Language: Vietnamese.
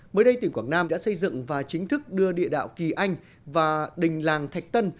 mới đây tỉnh quảng nam đã xây dựng và chính thức đưa địa đạo kỳ anh và đình làng thạch tân